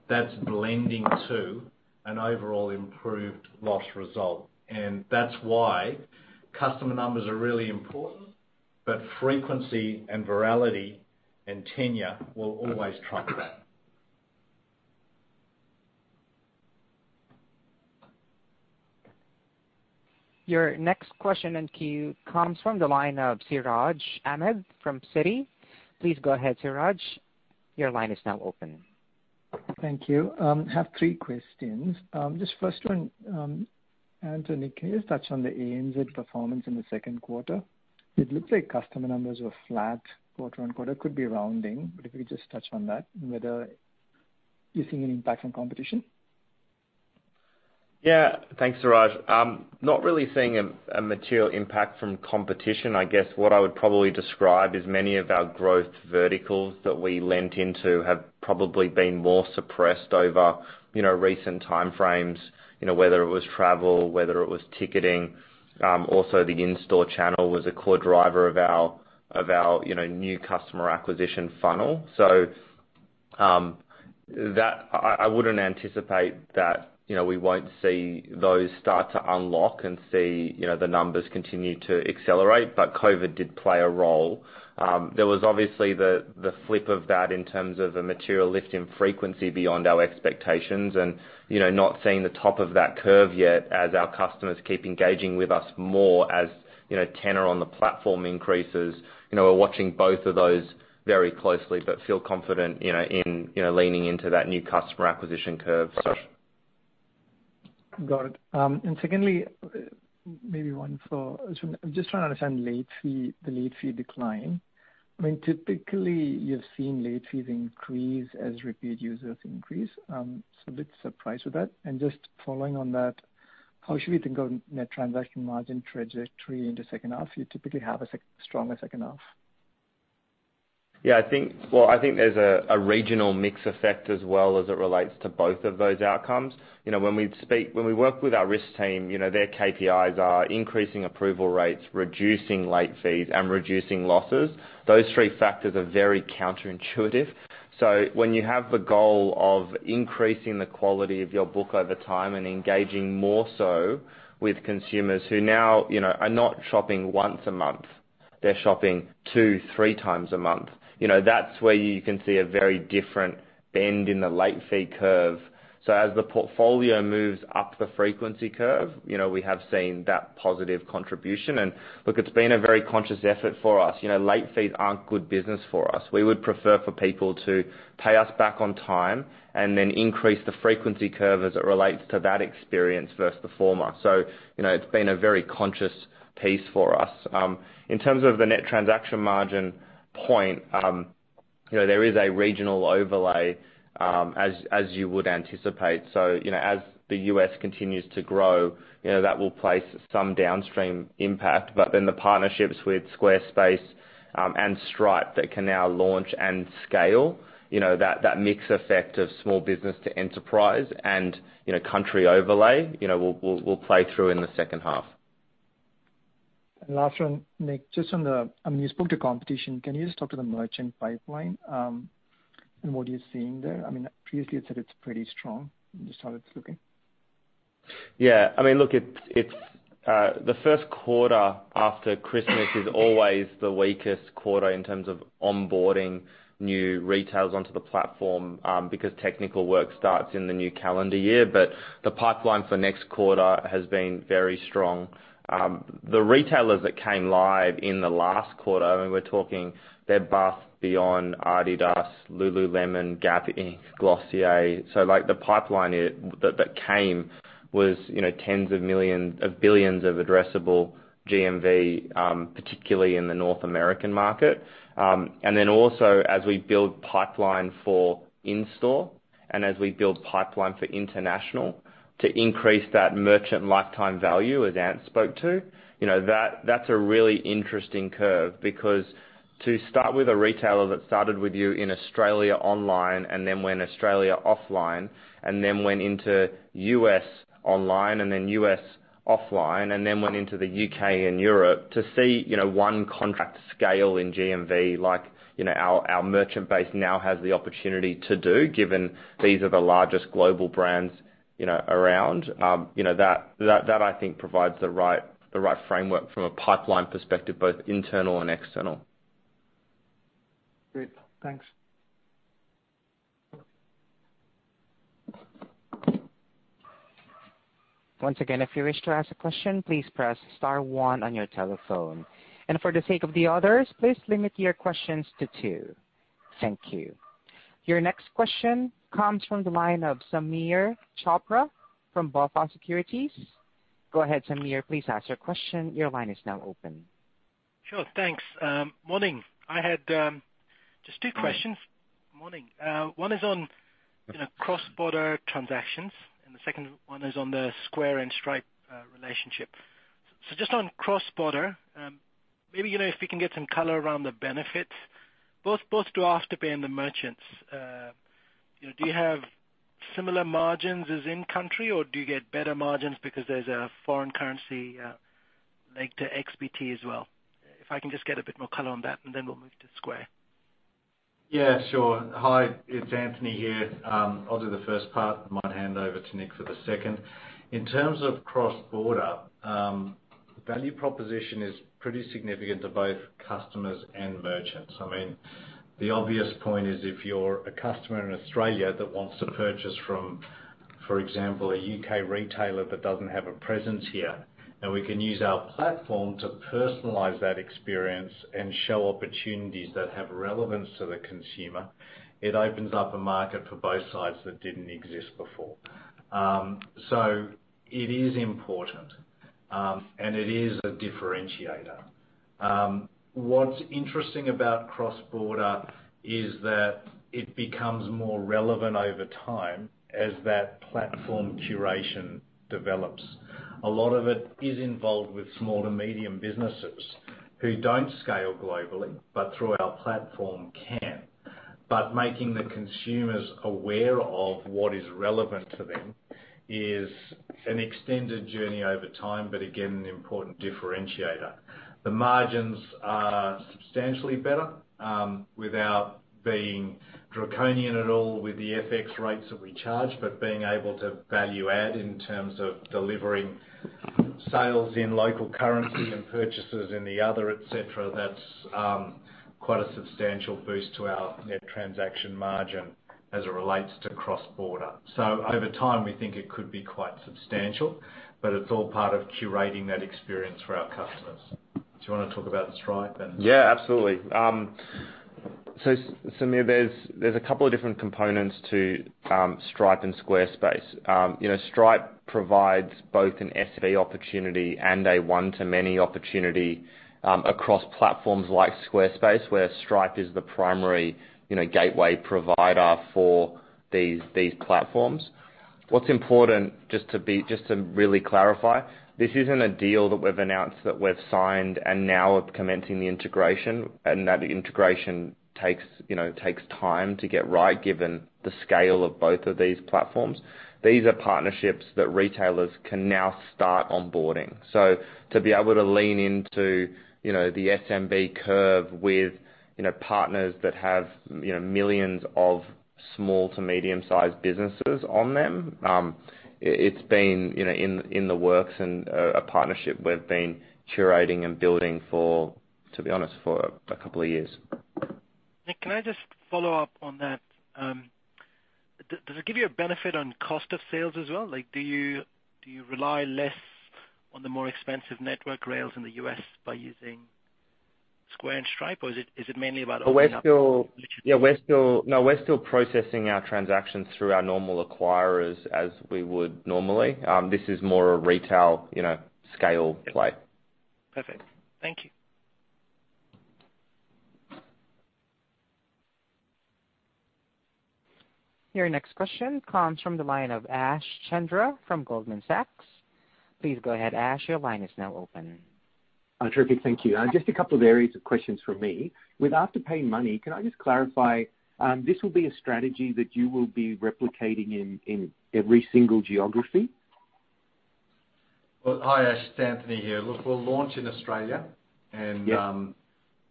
that's blending to an overall improved loss result. That's why customer numbers are really important, but frequency and virality and tenure will always trump that. Your next question in queue comes from the line of Siraj Ahmed from Citi. Please go ahead, Siraj. Thank you. I have three questions. First one, Anthony, can you just touch on the ANZ performance in the Q2? It looks like customer numbers were flat quarter-on-quarter. If you could just touch on that, and whether you're seeing an impact from competition. Yeah. Thanks, Siraj. Not really seeing a material impact from competition. I guess what I would probably describe is many of our growth verticals that we lent into have probably been more suppressed over recent time frames, whether it was travel, whether it was ticketing. Also, the in-store channel was a core driver of our new customer acquisition funnel. I wouldn't anticipate that we won't see those start to unlock and see the numbers continue to accelerate, but COVID did play a role. There was obviously the flip of that in terms of a material lift in frequency beyond our expectations and not seeing the top of that curve yet as our customers keep engaging with us more as tenure on the platform increases. We're watching both of those very closely, but feel confident in leaning into that new customer acquisition curve. Got it. Secondly, maybe one for Ashwin. I'm just trying to understand the late fee decline. Typically, you've seen late fees increase as repeat users increase, a bit surprised with that. Just following on that, how should we think of net transaction margin trajectory in the second half? You typically have a stronger second half. Yeah. I think there's a regional mix effect as well as it relates to both of those outcomes. When we work with our risk team, their KPIs are increasing approval rates, reducing late fees, and reducing losses. Those three factors are very counterintuitive. When you have the goal of increasing the quality of your book over time and engaging more so with consumers who now are not shopping once a month, they're shopping 2x, 3x a month. That's where you can see a very different bend in the late fee curve. As the portfolio moves up the frequency curve, we have seen that positive contribution. Look, it's been a very conscious effort for us. Late fees aren't good business for us. We would prefer for people to pay us back on time and then increase the frequency curve as it relates to that experience versus the former. It's been a very conscious piece for us. In terms of the net transaction margin point, there is a regional overlay, as you would anticipate. As the U.S. continues to grow, that will place some downstream impact. The partnerships with Squarespace and Stripe that can now launch and scale, that mix effect of small business to enterprise and country overlay will play through in the second half. Last one, Nick. You spoke to competition. Can you just talk to the merchant pipeline, and what are you seeing there? Previously you said it's pretty strong, just how it's looking. The Q1 after Christmas is always the weakest quarter in terms of onboarding new retailers onto the platform, because technical work starts in the new calendar year. The pipeline for next quarter has been very strong. The retailers that came live in the last quarter, and we're talking Bed Bath & Beyond, Adidas, Lululemon, Gap Inc., Glossier. The pipeline that came was billions of addressable GMV, particularly in the North American market. Then also as we build pipeline for in-store and as we build pipeline for international to increase that merchant lifetime value as Ant spoke to. That's a really interesting curve. To start with a retailer that started with you in Australia online and then went Australia offline, and then went into U.S. online and then U.S. offline, and then went into the U.K. and Europe to see one contract scale in GMV like our merchant base now has the opportunity to do, given these are the largest global brands around. I think provides the right framework from a pipeline perspective, both internal and external. Great. Thanks. Once again, if you wish to ask a question, please press star one on your telephone. For the sake of the others, please limit your questions to two. Thank you. Your next question comes from the line of Sameer Chopra from BofA Securities. Go ahead, Sameer, please ask your question. Sure. Thanks. Morning. I had just two questions. Morning. One is on cross-border transactions, and the second one is on the Square and Stripe relationship. Just on cross-border. Maybe if we can get some color around the benefits, both to Afterpay and the merchants. Do you have similar margins as in country, or do you get better margins because there's a foreign currency leg to FX as well? If I can just get a bit more color on that, and then we'll move to Square. Yeah, sure. Hi, it's Anthony here. I'll do the first part, then might hand over to Nick for the second. In terms of cross-border, value proposition is pretty significant to both customers and merchants. The obvious point is if you're a customer in Australia that wants to purchase from, for example, a U.K. retailer that doesn't have a presence here. We can use our platform to personalize that experience and show opportunities that have relevance to the consumer. It opens up a market for both sides that didn't exist before. It is important, and it is a differentiator. What's interesting about cross-border is that it becomes more relevant over time as that platform curation develops. A lot of it is involved with small to medium businesses who don't scale globally, but through our platform can. Making the consumers aware of what is relevant to them is an extended journey over time, but again, an important differentiator. The margins are substantially better, without being draconian at all with the FX rates that we charge. Being able to value add in terms of delivering sales in local currency and purchases in the other, et cetera, that's quite a substantial boost to our net transaction margin as it relates to cross-border. Over time, we think it could be quite substantial, but it's all part of curating that experience for our customers. Do you want to talk about Stripe? Yeah, absolutely. Sameer, there's a couple of different components to Stripe and Squarespace. Stripe provides both an SV opportunity and a one-to-many opportunity across platforms like Squarespace, where Stripe is the primary gateway provider for these platforms. What's important, just to really clarify, this isn't a deal that we've announced that we've signed and now we're commencing the integration, and that integration takes time to get right given the scale of both of these platforms. These are partnerships that retailers can now start onboarding. To be able to lean into the SMB curve with partners that have millions of small to medium sized businesses on them. It's been in the works and a partnership we've been curating and building for, to be honest, for a couple of years. Nick, can I just follow up on that? Does it give you a benefit on cost of sales as well? Do you rely less on the more expensive network rails in the U.S. by using Square and Stripe? Or is it mainly about opening up? No, we're still processing our transactions through our normal acquirers as we would normally. This is more a retail scale play. Perfect. Thank you. Your next question comes from the line of Ashish Chandra from Goldman Sachs. Please go ahead, Ash, your line is now open. Terrific, thank you. Just a couple of areas of questions from me. With Afterpay Money, can I just clarify, this will be a strategy that you will be replicating in every single geography? Well, hi, Ash, it's Anthony here. Look, we'll launch in Australia. Yeah.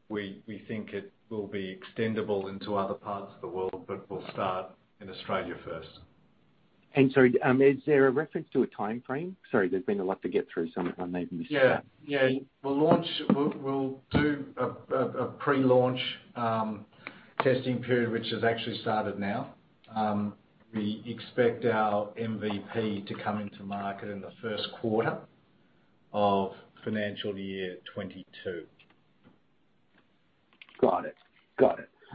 We think it will be extendable into other parts of the world, but we'll start in Australia first. Sorry, is there a reference to a timeframe? Sorry, there's been a lot to get through, so I may have missed that. Yeah. We'll do a pre-launch testing period, which has actually started now. We expect our MVP to come into market in the Q1 of financial year 2022. Got it.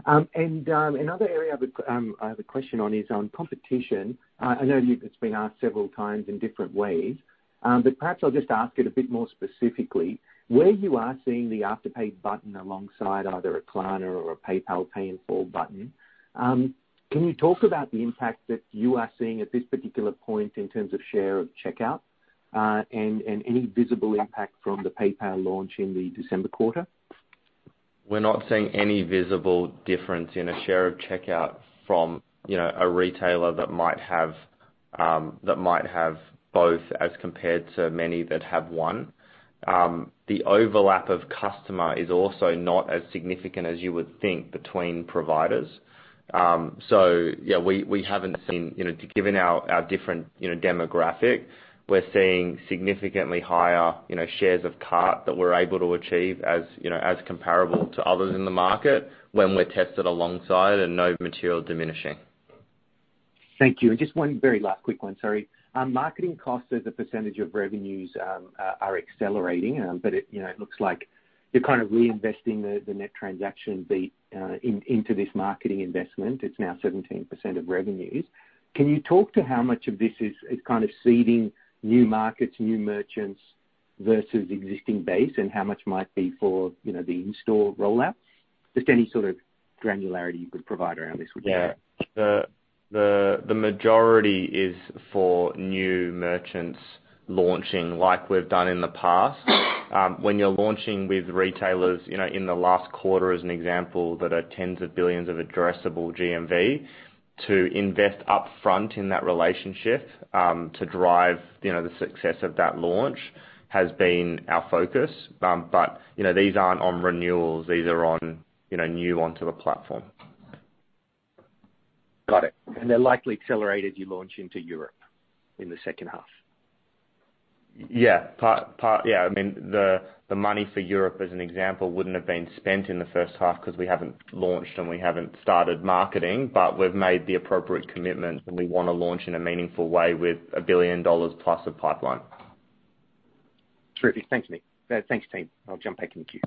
Another area I have a question on is on competition. I know it's been asked several times in different ways. Perhaps I'll just ask it a bit more specifically. Where you are seeing the Afterpay button alongside either a Klarna or a PayPal pay in full button, can you talk about the impact that you are seeing at this particular point in terms of share of checkout? Any visible impact from the PayPal launch in the December quarter? We're not seeing any visible difference in a share of checkout from a retailer that might have both as compared to many that have one. The overlap of customer is also not as significant as you would think between providers. Yeah, given our different demographic, we're seeing significantly higher shares of cart that we're able to achieve as comparable to others in the market when we're tested alongside and no material diminishing. Thank you. Just one very last quick one, sorry. Marketing costs as a percentage of revenues are accelerating, it looks like you're kind of reinvesting the net transaction beat into this marketing investment. It's now 17% of revenues. Can you talk to how much of this is kind of seeding new markets, new merchants, versus existing base, and how much might be for the in-store rollout? Just any sort of granularity you could provide around this would be great. Yeah. The majority is for new merchants launching like we've done in the past. When you're launching with retailers, in the last quarter as an example, that are tens of billions of addressable GMV, to invest upfront in that relationship to drive the success of that launch has been our focus. These aren't on renewals. These are new onto the platform. Got it. They're likely to accelerate as you launch into Europe in the second half. Yeah. The money for Europe, as an example, wouldn't have been spent in the first half because we haven't launched and we haven't started marketing. We've made the appropriate commitment, and we want to launch in a meaningful way with 1 billion dollars plus of pipeline. Terrific. Thanks, Nick. Thanks, team. I'll jump back in the queue.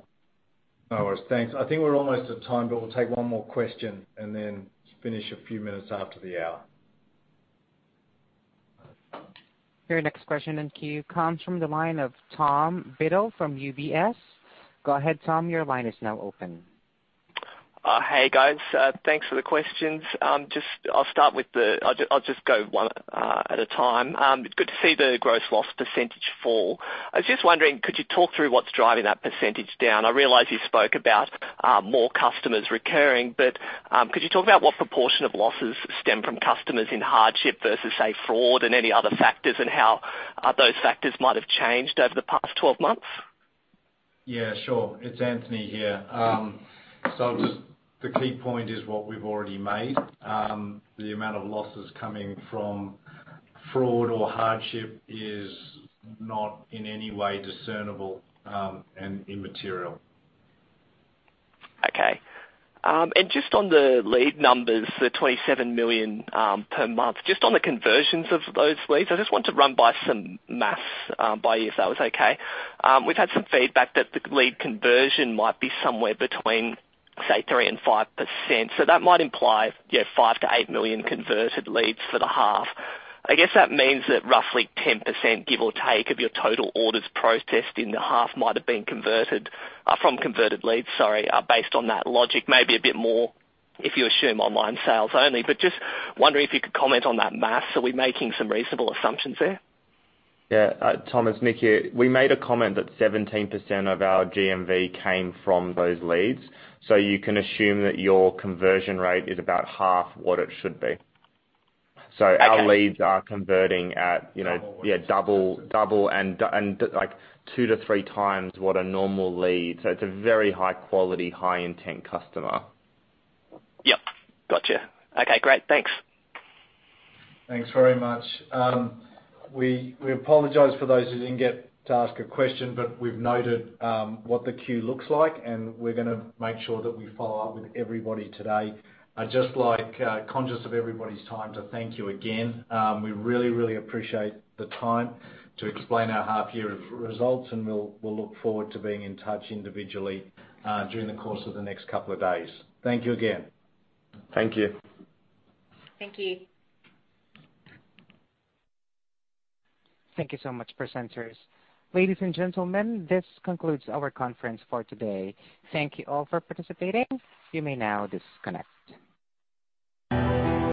No worries. Thanks. I think we're almost at time, but we'll take one more question and then finish a few minutes after the hour. Your next question in queue comes from the line of Tom Beadle from UBS. Go ahead, Tom, your line is now open. Hey, guys. Thanks for the questions. I'll just go one at a time. Good to see the gross loss % fall. I was just wondering, could you talk through what's driving that % down? I realize you spoke about more customers recurring, but could you talk about what proportion of losses stem from customers in hardship versus, say, fraud and any other factors, and how those factors might have changed over the past 12 months? Yeah, sure. It's Anthony here. Just the key point is what we've already made. The amount of losses coming from fraud or hardship is not in any way discernible and immaterial. Okay. Just on the lead numbers, the 27 million per month, just on the conversions of those leads. I just want to run by some math by you, if that was okay. We've had some feedback that the lead conversion might be somewhere between, say, three percent-five percent. That might imply 5 million-8 million converted leads for the half. I guess that means that roughly 10%, give or take, of your total orders processed in the half might have been from converted leads, based on that logic. Maybe a bit more if you assume online sales only. Just wondering if you could comment on that math. Are we making some reasonable assumptions there? Yeah. Tom, it's Nick here. We made a comment that 17% of our GMV came from those leads. You can assume that your conversion rate is about half what it should be. Okay. Our leads are converting at. Double what it should be. Yeah, double and 2x - 3x what a normal lead. It's a very high quality, high intent customer. Yep. Gotcha. Okay, great. Thanks. Thanks very much. We apologize for those who didn't get to ask a question. We've noted what the queue looks like. We're going to make sure that we follow up with everybody today. Just conscious of everybody's time. Thank you again. We really appreciate the time to explain our half year of results. We'll look forward to being in touch individually during the course of the next couple of days. Thank you again. Thank you. Thank you. Thank you so much, presenters. Ladies and gentlemen, this concludes our conference for today. Thank you all for participating. You may now disconnect.